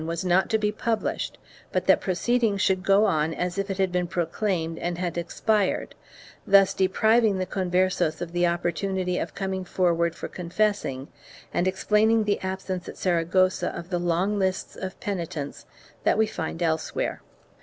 CHAP. V] OPPOSITION IN SAEAGOSSA 245 ings should go on as if it had been proclaimed and had expired, thus depriving the Conversos of the opportunity of coming for ward for confessing, and explaining the absence at Saragossa of the long lists of penitents that we find elsewhere.